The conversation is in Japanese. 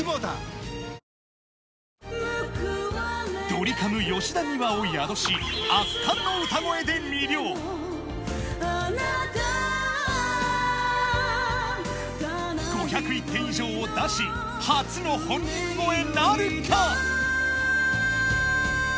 ドリカム・吉田美和を宿しで魅了５０１点以上を出し初の本人超えなるか？